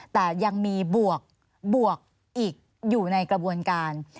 แต่ยังมีบวกอีกอยู่ในกระบวนการ